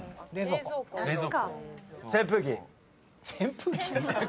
扇風機？